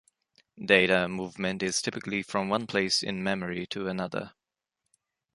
Data movement is typically from one place in memory to another.